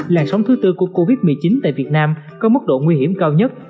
làn sóng thứ tư của covid một mươi chín tại việt nam có mức độ nguy hiểm cao nhất